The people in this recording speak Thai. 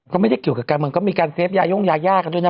ก็ไม่ได้เกี่ยวกับการเมืองก็มีการเฟฟยาย่งยายากันด้วยนะ